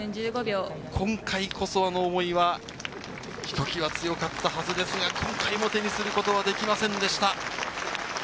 今回こそはの思いは、ひときわ強かったはずですが、今回も手にすることはできませんでした。